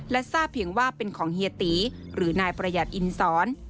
และทราบเพียงว่าเป็นของเฮียตีหรือนายประหยัดอินสอน